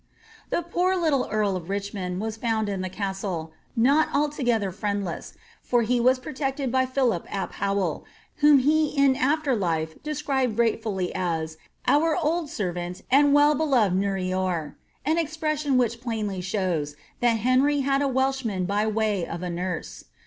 The poor little earl of Richmond was found in the casde,' not titogether friendless, for he was protected by Philip ap Hoell, whom he ia after life described gratefully as *^ our old servant and well beloved samour,''* an expression which plainly shows, that Henry had a Welsh man by way of a nurse.